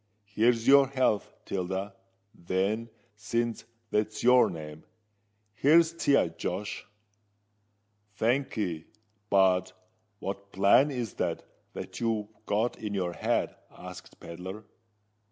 Here's your health, Tilda, then—since that's your name: here's to ye, Josh." "Thank'ee. But what plan is it that you've got in your head?" asked Pedler.